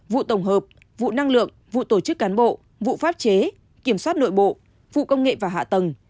vụ tổng hợp vụ năng lượng vụ tổ chức cán bộ vụ pháp chế kiểm soát nội bộ vụ công nghệ và hạ tầng